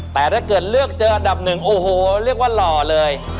แต่ถ้าเกิดเลือกเจออันดับหนึ่งโอ้โหเรียกว่าหล่อเลย